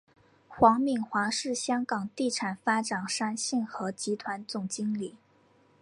黄敏华是香港地产发展商信和集团总经理。